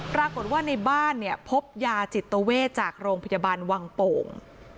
ปรากฏว่าในบ้านเนี่ยพบยาจิตเวทจากโรงพยาบาลวังโป่ง